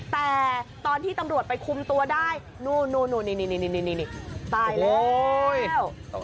แต่ตอนที่ตำรวจไปคุมตัวได้นู่นนี่ตายแล้ว